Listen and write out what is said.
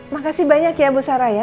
makasih banyak ya bu sarah ya